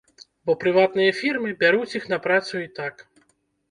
Бо прыватныя фірмы, бяруць іх на працу і так.